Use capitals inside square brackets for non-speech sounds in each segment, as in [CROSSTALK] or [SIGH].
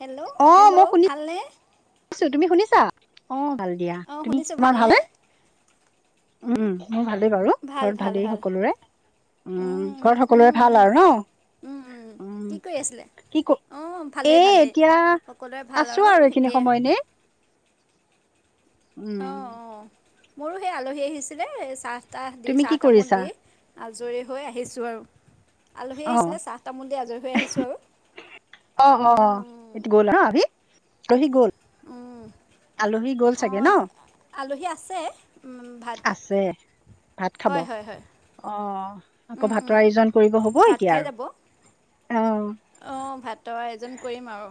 Hello, hello? ভালনে? ছো তুমি শুনিছা? অ', ভাল দিয়া। অঁ তুমি শুনিছোঁ তোমাৰ ভালনে ভালেনে? উম, মোৰ ভালেই বাৰু ভাল ঘৰত ভাল ভালেই ভাল সকলোৰে। উম, ঘৰত সকলোৰে উম, ভাল উম, আৰু ন? উম, উম, কি কৰি আছিলে? ক অঁ এ ভালেই ভালেই এতিয়া সকলোৰে ভাল আছোঁ আৰু এইখিনি এতিয়া সময় এনেই। অঁ উম। অঁ মোৰো সেই আলহী আহিছিলে চাহ তাহ দি, তুমি চাহ কি তামোল কৰিছা দি। আজৰি হৈ আহিছোঁ আৰু আলহী অ আহিছিলে চাহ তামোল দি আজৰি হৈ আহিছোঁ আৰু। অ', অ', উম, এইটো গ'ল [UNINTELLIGIBLE] হভি ৰহি গ'ল। উম। আলহী গল চাগে অঁ ন? আলহী আছে উম, ভাত আছে। ভাত খাব? হয় হয় হয় অ', আকৌ উম, ভাতৰ উম। আয়োজন কৰিব হ'ব এতিয়া আৰু। অ'। অ', ভাতৰ আয়োজন কৰিম আৰু।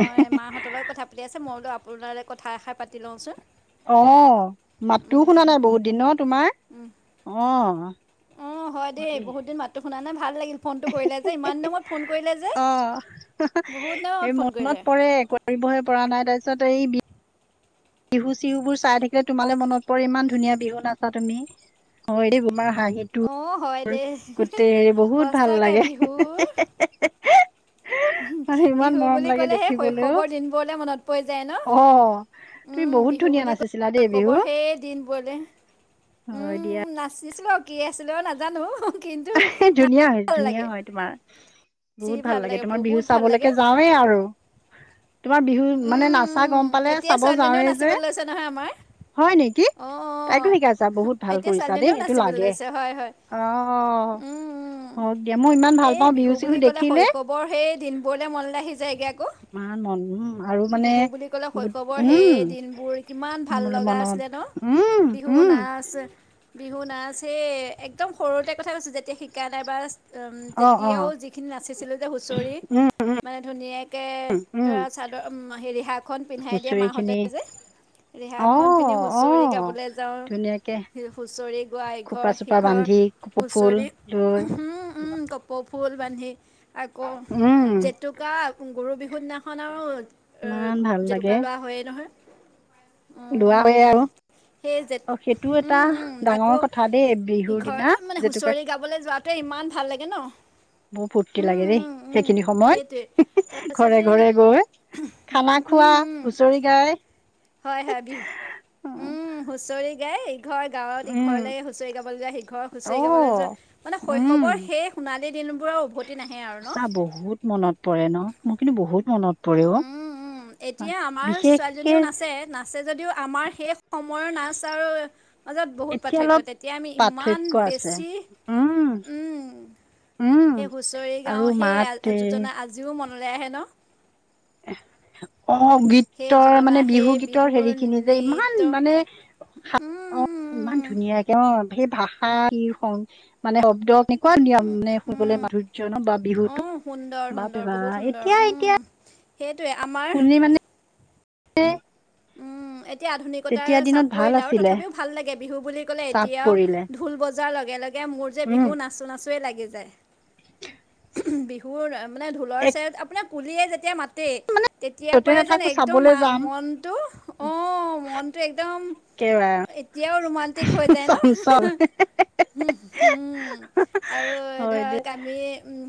মই মাহঁ হঁতৰ লগত কথা পাঁ [UNINTELLIGIBLE] আছে মই বোলোঁ আপোনালৈ কথা এষাৰ পাতি লওঁচোন। অ', মাতটো উম, শুনা নাই বহুত দিনৰ তোমাৰ? অ'। অ', হয় দেই বহুত দিন মাতো শুনা নে ভাল লাগিল ফোনটো কৰিলে যে ইমান দিনৰ মুৰত ফোন কৰিলে যে? অ বহুত দিনৰ এই মুৰত ফোন মনত কৰিলে। পৰে কৰিবহে পৰা নাই তাৰপিছত এই বি বিহু-চিহুবোৰ চাই থাকিলে তোমালে মনত পৰে ইমান ধুনীয়া বিহু নাচা তুমি। অ', এই তোমাৰ অঁ হয় হাঁহিটোৰ দেই গোটেই হেৰি বহুত ভাল সঁচাকৈ লাগে। বিহু হেঁহ্‌-হেঁহ্‌-হেঁহ্‌। [UNINTELLIGIBLE] বিহু বুলি ক'লে সেই শৈশৱৰ দিনবোৰলে মনত পৰি যায় ন? অ তুমি উম, বহুত বিহু ধুনীয়া বুলি নাচিছিলা দেই কয় বিহু শৈশৱৰ সেই দিনবোৰলে। হয় দিয়া উম, নাচিছিলোঁ আৰু কি আছিলোঁ নাজানো কিন্তু ধুনীয়া হয় নাচি ভাল ধুনীয়া লাগে। হয় তোমাৰ যি বহুত ভাল লাগে তোমাৰ বিহু বহুত ভাল লাগে চাবলৈকে যাওঁ। আৰু তোমাৰ বিহু মানে নাচা উম গম পালে এতিয়া চাব ছোৱালীজনীও যাওঁৱেই যে। নাচিবলৈ লৈছে নহয় আমাৰ। হয় নেকি, অঁ অঁ তাইতো শিকাইছা? বহুত ভাল এতিয়া কৰিছা ছোৱালীজনীও দেই এইটো নাচিবলৈ লাগে। লৈছে হয় হয় অ', উম, উম। হওঁক দিয়া। মই ইমান ভাল পাওঁ বিহু -চিহু দেখিলে। বৰ সেই দিনবোৰলে মনলে আহি যায়গে আক। ইমান মৰম ন? বিহু বুলি ক'লে শৈশৱৰ সেই দিনবোৰ কিমান ভাল বুলি লগা মনত আছিলে ন? উম বিহু উম নাচ বিহু নাচ সেই একদম সৰুতে কথা কৈছোঁ যেতিয়া শিকা নাই বা আম অ অ তেতিয়াও যিখিনি নাচিছিলোঁ যে হুঁচৰি মানে ধুনীয়াকে উম ধৰা চাদ ম হে ৰিহাখন পিন্ধাই দিয়ে হুঁচৰি মা হঁতে খিনি যে। অ ৰিহাখন পিন্ধি অ হুঁচৰি গাবলে ধুনীয়াকে যাওঁ হুঁচৰি গোৱা খোপা ইঘৰ- চোপা সিঘৰ বান্ধি কপৌ ফুল হুঁচৰি। লৈ উম, উম, কপ্‌ ফুল বান্ধি, আকৌ উম জেতুকা গৰু বিহুৰ দিনাখন আৰু এ ইমান ভাল জেতুকা লাগে লোৱা হ'য়েই নহয়। লোৱ হ'য়ে আৰু। সেই জে অ', সেইটো এটা আকৌ ডাঙৰ কথা দেই বিহুৰ দিনা, জেতুকা খাবলে যোৱাটোৱে ইমান ভাল লাগে ন? বহু ফুৰ্তি লাগে দেই সেইখিনি সেইটোৱে সময়ত [UNINTELLIGIBLE] তাৰপিছত ঘৰে এই -ঘৰে গৈ। খানা খোৱা হুঁচৰি গায় হয়- হয় বিহহু উম, হুঁচৰি গাই ইঘৰ গাঁৱত উম ইঘৰলে হুঁ হুঁচৰি গাবলে যায় সিঘৰৰ অ হুঁচৰি গাবলে যোৱা মানে শৈশবৰ উম সেই সোণালী দিনবোৰৰ উভতি নাহে আৰু ন? সঁচা বহুত মনত পৰে ন' মোৰ কিন্তু বহুত মনত পৰে অ, উম, উম, বিশেষকে আছে যদিও আমাৰ সেই সময়ৰ নাচ আৰ মাজত বহুত এতিয়া পাৰ্থক্য অলপ তেতিয়া আমি ইমান পাৰ্থক্য আছে বেছি উম উম, উম সেই হুঁচৰি আৰু গাওঁ সেই আ, মাত এ যোজনা আজিওঁ মনলে আহে ন'? অ, গীত সেই গীতৰ যোজনা মানে বিহু সেই গীতৰ বিহুৰ হেৰিখিনি যে ইমান নৃত্য মানে উম, [UNINTELLIGIBLE] অ। ইমান উম, উম, ধুনীয়াকে অ, সেই ভাষা কি সংচ মানে শব্দ এনেকুৱা নিয়ম মানে উম। শুনিবলে উম। মাধুৰ্য ন' বা বিহুটো অঁ সুন্দৰ বাপৰে সুন্দৰ বা বহুত সুন্দৰ এতিয়া উম, -এতিয়া সেইটোৱে আমাৰ শুনি মানে এ উম, এতিয়া আধুনিকতাৰ চাপ ভাল পৰিল আৰু আছিলে তথাপিও ভাল লাগে বিহু বুলি ক'লে চাপ এতিয়াও পৰিলে ঢোল বজাৰ লগে -লগে মোৰ যে উম বিহু নাচোঁ- নাচোঁৱে লাগি যায়। [UNINTELLIGIBLE] বিহুৰ মানে ঢোলৰ এক চেওত আপোনাৰ কুলিয়ে যেতিয়া মাতে তেতিয়াৰ য'তে পৰাই যেন নাথাকো একদম চাবলৈ আ যাম মনটো অ, মনটো একদম একেবাৰে এতিয়াও ৰোমাণ্টিক হৈ যায় ন' চঞ্চল [UNINTELLIGIBLE] হু-হুম আৰু হয় দে ধৰক আমি উম,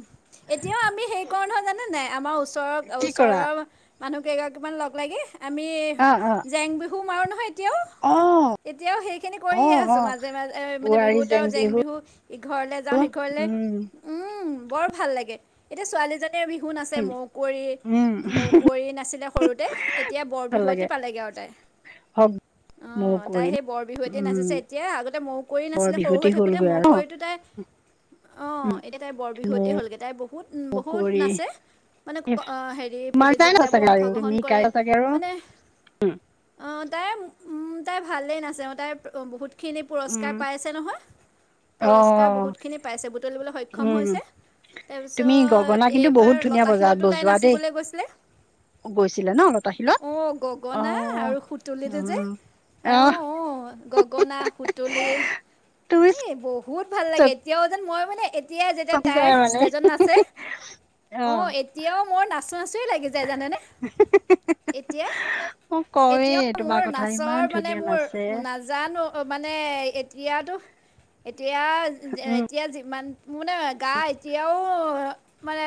এতিয়াও আম আমি সেই কৰোঁ নহয় জানে নাই? আমাৰ ওচৰ- কি কৰা ওচৰৰ মানুহ কেইগৰাকীমান লগলাগি আ আমি অ অ জেং বিহু মাৰোঁ নহয় এতিয়াও। অ', এতিয়াও সেইখিনি অ কৰিয়ে অ আছোঁ মাজে- মাজে মানে বিহুত আৰু জেং বিহু ইঘৰলে যাওঁ সিঘৰলে উম উম, বৰ ভাল লাগে এতিয়া ছোৱালীজ এ বিহু নাছে মওকুঁৱৰী- উম মওকুঁৱৰী নাছিলে সৰুতে এতিয়া বৰ ভাল বিহুৱতী লাগে পালেগে আও তাই হওক অ, মৌ তাই কুঁৱৰী সেই বৰ বিহুৱতী উম নাচিছে এট য়ে আগতে মও কুঁৱৰী বৰ নাছিলে সৰু বিহুতি হৈ থাকোতে হলগৈ আৰু ন। মৌ-কুঁৱৰীটো তাই অ, উম এতিয়া তাই বৰ বিহুৱতী হ'লগে তাই বহু বহুত মৌ -বহুত কুঁৱৰী নাচে মানে আ হেৰি তোমাক নাই ন প্ৰতিযোগিতাবোৰ চাগে আৰু অংশগ্ৰহণ তুমি শিকাই কৰে চাগে আৰু এ অ, তাই উম, তাই ভালেই নাচে অ, তাই বহুত খিনি পুৰস্কাৰ উম পাইছে নহয়, অ পুৰস্কাৰ বহুতখিনি পাইছে বুটলিবলৈ সক্ষম উম হৈছে। তুমি গগনা তাৰপিছত কিন্তু বহুত এইবাৰ ধুনীয়া বজা লতাশিলটো তাই বজোৱা দেই নাচিবলে গৈছিলে। গৈছিলে ন' অলপ অ, গগনা আৰু সুতুলিটো যে উম আও- আহ ও- ও গগনা, সুতুলি, এই বৌ বহুত ভাল লাগে চকি এতিয়াও যেন মই মানে এতিয়া যেতিয়া যায় তাই মানে ষ্টেজত নাচে। অ, এতিয়াও মৰ নাচো- নাচোৱেই লাগি যায় জানেনে? [UNINTELLIGIBLE] এতিয়া মই কওঁৱেই এতিয়াও তোমাৰ মোৰ কথা ইমান নাচৰ মানে ধুনীয়া নাচে মোৰ নাজানো মানে এতিয়াতো এতিয়া উম, এতিয়া যিমান মোৰমানে গা এতিয়াও মানে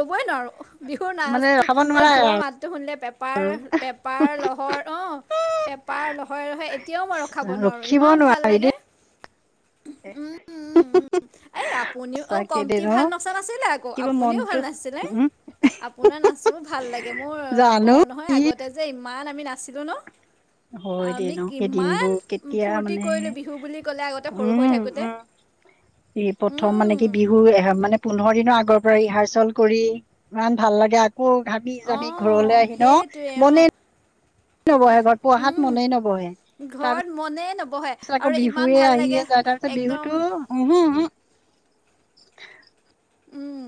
ৰবই নোৱাৰোঁ। বিহুৰ নাচটো ৰখাব মানে নোৱাৰা ঢোলৰ মাতটো শুনিলে, পেপাৰ -পেপাৰ লহৰ অ। পেপাৰ লহৰে -লহৰে এতিয়াও মই ৰখাব নোৱাৰোঁ ৰখিব ইমান ভাল লাগে। দে [UNINTELLIGIBLE] উম, এই আপুনিও অ, কমটি ন ভাল নচা নাছিলে আকৌ, কিবা আপুনিও ভাল মনটো নাচিছিলে। উম, আপোনাৰ নাচো ভাল লাগে মোৰ জানো কওঁ নহয় আগতে যে ইমান আমি নাছিলো ন। হয় দেই আমি ন সেই কিমান দিনবোৰ কেতিয়া ফূৰ্তি মানে কৰিলোঁ, বিহু বুলি ক'লে আগতে সৰু হৈ থাকোঁতে। ই প্ৰথম মানে, উম, কি বিহু এহে মানে পোন্ধৰ দিনৰ আগৰ পৰা ৰিহাৰ্চেল কৰি ইমান ভাল লাগে, আকৌ ঘা মি যামি অঁ ঘৰলৈ আহি ন সেইটোৱে অঁ মানে নবহে ঘৰত পঢ়াত উম, মনেই নবহে। ঘৰত মনেই নবহে তাৰপিছত আকৌ আৰু ইমান বিহুৱে ভাল লাগে আহিয়ে যায় তাৰ পিছত একদম বিহুতো উমহু, উম।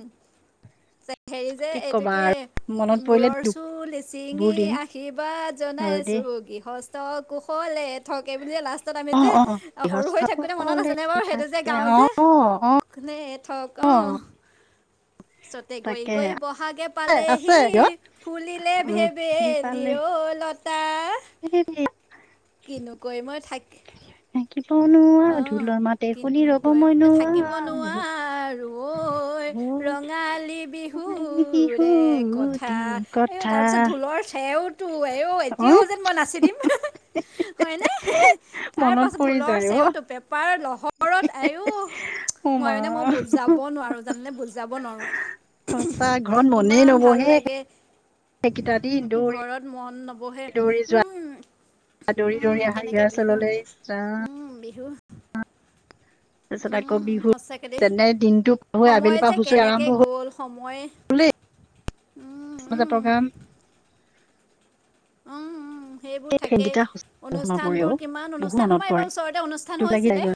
হেৰি যে এইটো কবা কি আৰু। মনত - পৰিলে মূৰৰ চুলি ছিঙি দুখবোৰ দিন আশীৰ্বাদ হয় দেই। জনাইছো গৃহ স্ত কুশলে থক, এই বুলিয়ে লাষ্ট- ত আমি অ যে অ সৰু গৃহস্থ হৈ থাকোনে মনত কুশলে আছেনে বাৰু সেইটো যে গাওঁ অ যে অ কুশলে থক অ। অঁ চতে গৈ তাকে গৈ বহাগে পালেহি আছে - ফুলিলে উম দি ভেবেলি পালে অ লত - [UNINTELLIGIBLE] কিনকৈ মই থাক- [UNINTELLIGIBLE] থাকিব নোৱাৰা ঢোলৰ মাতে শুনি কিনো ৰ'ব কৰিম মই নে থাকিব নোৱাৰো ঐ নোৱাৰা। ৰঙালী বিহুৰে কথা। বিহুটি এৱো কথা তাৰপিছত ঢোলৰ চেওত- তো আঐ অ এতিয়াও যেন মই নাচি দিম। হয়নে, তাৰ মনত পাছত পৰি ঢোলৰ যায় অ চেওটো, পেপাৰ লহ- হৰত আয়ো, অ মই মা মানে মই বুজাব নোৱাৰো জানানে বুজাব নোৱাৰো। সঁচা ঘৰত মনেই নবহে লাগে সেইকেইটা দিন দৌৰি ঘৰত মন নবহে হোম দৌৰি-দৌৰি আহা ৰিহাৰ চেললৈ ইচ ৰাম [UNINTELLIGIBLE] তাৰপিছত আকৌ বিহু সঁচাকৈ দেই যেনে দিনটো পৰি সময় আবেলিৰ যে পৰা হুচৰি কেনেকৈ আৰম্ভ হোল গ'ল সময় কুলে উম, ই উম, মাজ উম, প্ৰগ্ৰাম। অ অ। সেইবোৰ থাকেই, ফেনকেইটা বহুত মনত পৰেও অনুষ্ঠানবোৰ কিমান বহুত অনুষ্ঠান মনত আমাৰ পৰে এইবাৰ ওচৰতে অনুষ্ঠান দুখ লাগি যায় হৈছিলে। গৈ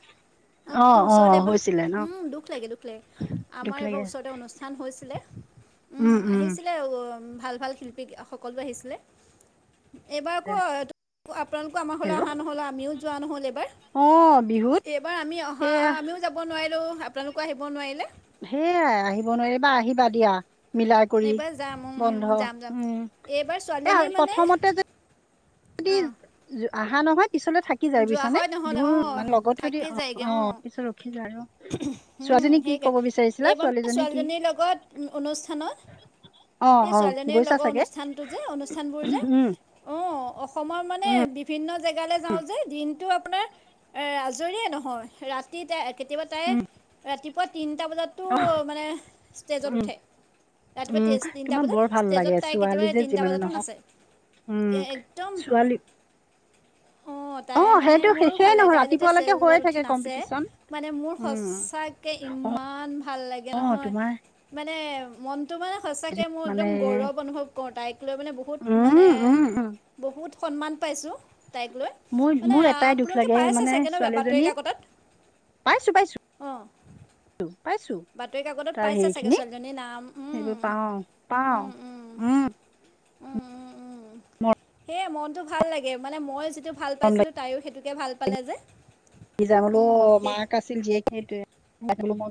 অ আমাৰ অ ওচৰতে এবাৰ হৈছিলে ন দুখ লাগে দুখ লাগে। দুখ আমাৰ লাগে এইবাৰ ওচৰতে অনুষ্ঠান হৈছিলে। উম আহিছিলে ভাল ভাল শিল্পী সকলো আহিছিলে। এইবাৰ আকৌ আপোনালোকো আমাৰ ঘৰলে হেল্ল' অহা নহ'ল আমিও যোৱা নহ'ল এইবাৰ। অ বিহুত এইবাৰ আমি অহা সেয়া আমিও যাব নোৱাৰিলোঁ, আপোনালোকো আহিব নোৱাৰিলে। সেইয়াই, আহিব নোৱাৰিবা, আহিবা দিয়া। মিলাই কৰি, এইবাৰ যাম উম, বন্ধ যাম যাম উম এইবাৰ এ ছোৱালীজনী মানে প্ৰথমতে যে, যদি অঁ অহা নহয় পিছলে থাক কি যায় যোৱা বুইছা নে হয় নহ'লে বিহুৰ অঁ মানে লগত যদি অ-অ পিছত ৰখি যায় অ উম সেইকে এইবাৰ মোৰ ছোৱালীজনী কি ছোৱালীজনীৰ লগত অনুষ্ঠানত অ এই অ ছোৱালীজনীৰ গৈছা লগৰ চাগে অনুষ্ঠানটো যে অনুষ্ঠানবোৰ যে উম অ অসমৰ মানে উম বিভিন্ন জেগালৈ যাওঁ যে দিনটো আপোনাৰ এ আজৰিয়েই নহয় ৰাতি তাই কেতিয়াবা তাই উম ৰাতিপুৱা তিনিটা বজাত তো অ মানে উম ষ্টেজত উঠে উম, ৰাতিপুৱাতে তিনিটা তোমাৰ বজাত বৰ ভাল লাগে ষ্টেজত তাই কেতিয়াবা ছোৱালী যে তিনিটা যিমানে বজাতো নহওক নাচে উম। এ একদম ছোৱালী অ অ তাই মানে সেইটো মোৰ শেষেই ফালে নহয় তাই যেতিয়া ৰাতিপুৱালৈকে ষ্টেইজত হৈয়ে উঠি থাকে নাচে কম্পিটিচন মানে মোৰ উম। সঁচাকে ইমান ভাল লাগে অ নহয় তোমাৰ মানে মন টো মানে সঁচাকৈ মোৰ মানে একদম গৌৰৱ অনুভৱ কৰোঁ তাইক লৈ মানে বহুত মানে উম উম উম বহুত সন্মান পাইছোঁ তাইক লৈ। মানে মোৰ-মোৰ এটাই দুখ আপোনালোকে লাগে পাইছে মানে চাগে ন বাতৰি ছোৱালীজনী কাকতত পাইছো-পাইছো। অঁ অ [UNINTELLIGIBLE] বাতৰি কাকতত পাইছে চাগে ছোৱালীজনী নাম সেইবোৰ পাওঁ পাওঁ। উম-উম-উম। অঁ উম উম-উম-উম সেয়েই মনটো ভাল লাগে মানে মই যিটো ভাল মৰম পাইছিলো তাইয়ো সেইটো ভাল পালে যে। ইজামলৈ উম, সেই মাক আছিল জীয়েক সেইটোৱেই তেলো মই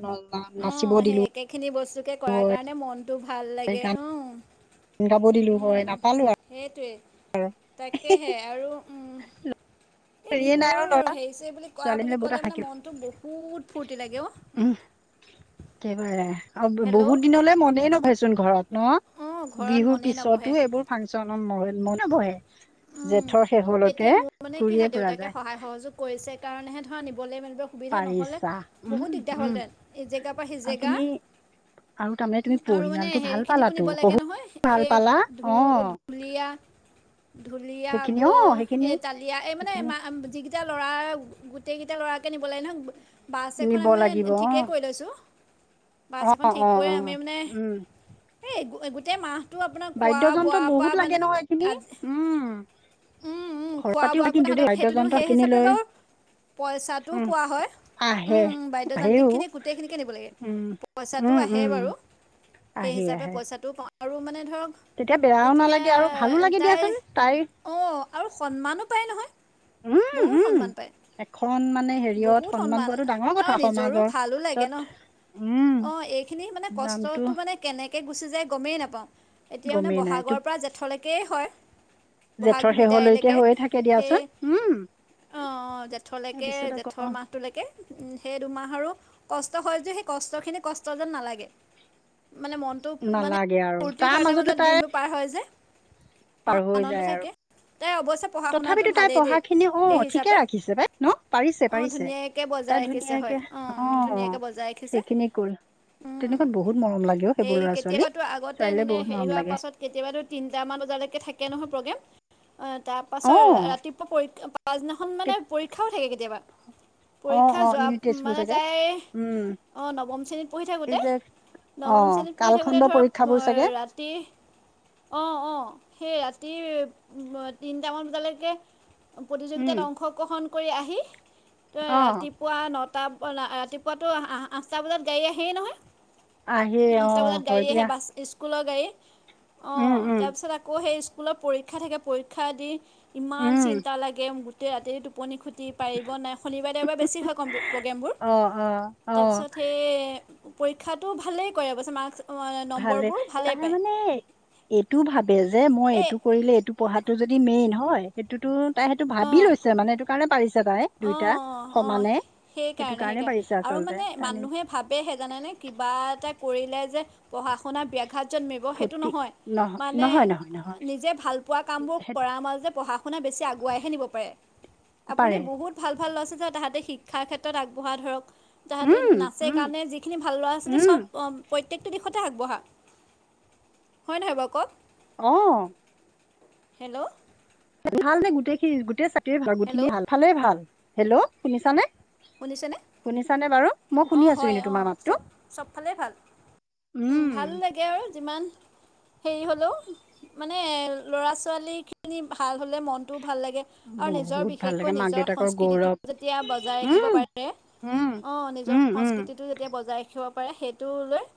নাচিব অঁ সেই দিলো। একেখিনি বস্তুকে কৰাৰ কাৰণে মনটো ভাল হয় লাগে, গান অঁ। গাব দিলো হয় নাপালো আৰু। সেইটোৱেই তাকেহে আৰু এই হেৰিয়ে নাই আৰু বিহুৰ ল'ৰা হেৰিছে বুলি কোৱা বুলি ছোৱালীজনীলে বহুত ক'লে আশা মানে মনটো বহুত ফূৰ্তি লাগে অ। উম একেবাৰে আৰু হেল্ল' বহুত দিনলৈ মনেই নভৰেইচোন ঘৰত অঁ ন। ঘৰত বিহুৰ মনেই নবহে পিছতো এইবোৰ ফাংচনত মন বহে। উম, জেঠৰ শেষৰলৈকে এতিয়া মোৰ মানে কি হয় ঘূৰিয়েই ফুৰা দেউতাকে যায়। সহায় সহযোগ কৰিছে কাৰণেহে ধৰা নিবলৈ মানিব। সুবিধা নহ'লে পাৰিছা উম বহুত দিগদাৰ উম হ'লহেঁতেন এই জেগাৰ পৰা সি আৰু জেগা। তুমি আৰু তাৰমানে তুমি আৰু মানে পৰিয়ালটো ভাল হেৰিখিনিকো পালাতো নিব লাগে শহু নহয় ভাল এ পালা ধু। অ ঢুলীয়া-ঢুলীয়া সেইখিনি আকৌ অ সেইখিনি এই তালিয়া এই মানে সেইখিনি যি - তিয়া লৰাৰ গোটেই কেইটা লৰাকে নিব লাগে নহয়। বাছ এখন নিব আমি মানে লাগিব অ ঠিকেই কৰি লৈছোঁ। বাছ অ এখন ঠিক অ কৰি অ আমি মানে উম এই গোটেই মাহ - সেইটো আপোনাৰ বাদ্যযন্ত্ৰত খোৱা-বোৱা বহুত পৰা লাগে মানে নহয় এইখিনি আজি। উম উম উম খৰচ খোৱা পাতিও হয় বোৱাকো কিন্তু দেই তাহাঁতক সেইটো দিওঁ বাদ্যযন্ত্ৰ সেই খিনি হিচাপে লৈ বাৰু পইচাটোও উম পোৱা হয়। আহে উম বাদ্যয়যান্ত্ৰিক আহেও খিনিয গোটেইখিনিকে নিব লাগে উম পইচাটো আহে বাৰু। আহি আহে। তাতো পাওঁ আৰু মানে ধৰক। তেতিয়া বেয়াও এতিয়া নালাগে আৰু ভালো লাগে তাই দিয়াচোন তাই। অঁ আৰু সন্মানো পায় নহয়, উম বহুত উম সন্মান পায়। এখন মানে হেৰিয়ত বহুত সন্মান পোৱাটো ডাঙৰ কথা আৰু নিজৰো সমাজৰ ভালো লাগে পাছত ন। উম অ এইখিনি মানে নামটো কষ্টটো মানে কেনেকে একে গুচি যায় গমেই নাপাওঁ, এতিয়া মানে গমেই নাই ব'হাগৰৰ তোক পৰা জেঠলৈকেই হয়। জেঠৰ বহাগী শেহলৈকে বিদায়লৈকে হৈয়ে থাকে সেই দিয়াচোন উম অঁ জেঠলৈকে। তাকে তাৰপিছত আকৌ জেঠৰ মাহটোলৈকে। উম সেই দুমাহ আৰু কষ্ট হয় যদিও সেই কষ্টখিনি কষ্ট যেন নালাগে। মানে মনটো মানে নালাগে আৰু তাৰ ফূৰ্তি-ফাটাৰ মাজতো মাজত তাই দিনবোৰ পাৰ হয় যে। অ পাৰ হৈ আনন্দ যায় আৰু থাকিলে তাই অৱশ্যে পঢ়া শুনাটো ভালেই দেই সেই হিচাপে। ছে পাই ন। পাৰিছে অঁ পাৰিছে ধুনীয়াকে তাই বজাই ৰাখিছে ধুনীয়াকে হয় অ ধুনীয়াকৈ বজাই ৰাখিছে। সেইখিনি কৰি উম তেনেকুৱাত বহুত মৰম লাগে অ' সেইবোৰ সেই ল'ৰা ছোৱালী। কেতিয়াবাতো আগতে ছোৱালীলে এনেকে বহুত হেৰি মৰম হোৱাৰ লাগে। পাছত। কেতিয়াবাতো তিনিটামান বজালৈকে থাকে নহয়, প্ৰগ্ৰেম তাত- ত পাছত অ' ৰাতিপুৱা পৰীক্ষা পাছদিনাখন কে মানে পৰীক্ষাও থাকে, কেতিয়াবা- অ' পৰীক্ষা অ' যোৱা ইউনিট টেষ্টবোৰ মানে চাগে তাইৰ উম অঁ নৱম শ্ৰেণীত পঢ়ি এই যে থাকোঁতে- নৱম অ' শ্ৰেণীত পঢ়ি কালখণ্ড থাকোতে ধৰক পৰীক্ষাবোৰ চাগে ৰাতি- অঁ অঁ সেই ৰাতি তিনিটামান বজালৈকে- উম প্ৰতিযোগিতাত অংশগ্ৰহণ কৰি আহি। তই অ' ৰাতিপুৱা নটা ৰাতিপুৱাতো আঠটা বজাত গাড়ী আহেই নহয়। আহে আঠটা অ' বজাত হয় গাড়ী আহে দিয়া বাছ। স্কুলৰ গাড়ী অ উম উম তাৰপিছত আকৌ সেই স্কুলত পৰীক্ষা থাকে পৰীক্ষা দি- ইমান উম চিন্তা লাগে গোটেই ৰাতিৰে টোপনি খতি পাৰিব নাই শনিবাৰে দেওবাৰে বেছি হয় কম্পে প্ৰগ্ৰেমবোৰ অ' অ' তাৰপিছত অ' সেই পৰীক্ষাতো ভালেই কৰে অৱশ্যে মাৰ্কছ ভালে নম্বৰবোৰ ভালেই তাই পায় মানে এইটো ভাবে যে মই এই এইটো কৰিলে এইটো পঢ়াটো যদি মেইন হয় সেইটোতো তাই সেইটো ভাবি অঁ লৈছে মানে এইটো কাৰণে পাৰিছে এতিয়া তাই দুইটা অঁ অঁ সমানে সেইটো সেইকাৰণে কাৰণেই সেইকাৰণে পাৰিছে আৰু আচলতে মানে তাই নে মানুহে ভাবেহে জানানে কিবা এটা কৰিলে যে পঢ়া শুনাত ব্যাঘাত জন্মিব সেইটো খতি নহয় নহ মানে নহয় নহয় নহয় নিজে ভাল পোৱা কামবোৰ সে কৰাৰ মাজতে পঢ়া শুনা বেছি আগুৱাইহে নিব পাৰে আপুনি পাৰে বহুত ভাল ভাল লৰা ছোৱালী যে তাহাঁতে শিক্ষাৰ ক্ষেত্ৰত আগবঢ়া ধৰক তাহাঁতি উম নাচে উম কাৰণে যিখিনি ভাল ল'ৰা ছোৱালী উম চব প্ৰত্যেকটো দিশতে আগবঢ়া হয় নহয় বাৰু কওক অ হেল্ল' ভাল নে গোটেইখিনি গোটেই [UNINTELLIGIBLE] ভাল হেল্ল' গোটেইখিন ভালে ভাল হেল্ল' শুনিছা নে শুনিছেনে অ শুনি আছো হয় কিন্তু অ তোমাৰ মাতটো চব চবফালেই ভাল ভাল উম লাগে আৰু যিমান হেৰি হ'লেও মানে ল'ৰা ছোৱালীখিনি ভাল হ'লে মনটোও ভাল লাগে আৰু নিজৰ বহুত ভাল লাগে বিশেষকৈ মাক নিজৰ দেউতাকৰ সংস্কৃতিটো গৌৰৱ যেতিয়া বজাই ৰাখিব উম পাৰে উম অ নিজৰ উম উম সংস্কৃতিটো যেতিয়া বজাই ৰাখিব পাৰে সেইটো লৈ